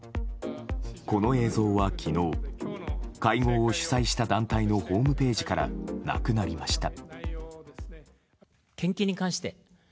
この映像は、昨日会合を主催した団体のホームページからなくなりました。